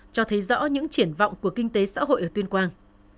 cho thấy rõ những triển vọng của kinh tế xã hội ở tuyên quang